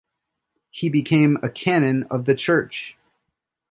He became a Canon of the church.